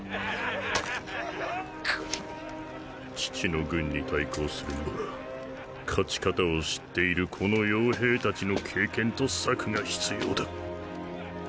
父の軍に対抗するには勝ち方を知っているこの傭兵たちの経験と策が必要だ